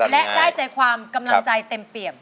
และได้ใจความกำลังใจเต็มเปี่ยม